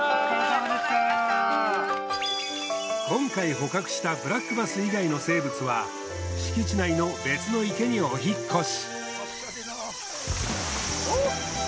今回捕獲したブラックバス以外の生物は敷地内の別の池にお引っ越し。